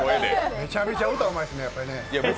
めちゃめちゃ歌うまいですね、やっぱりね。